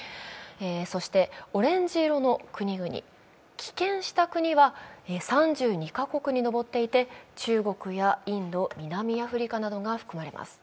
そしてオレンジ色の国々、棄権した国は３２か国に上っていて中国やインド、南アフリカなどが含まれます。